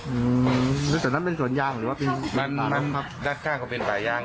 อืมแล้วส่วนนั้นเป็นส่วนย่างหรือว่าเป็นด้านข้างเขาเป็นส่วนย่าง